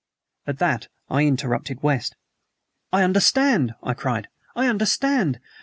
'" At that I interrupted West. "I understand!" I cried. "I understand!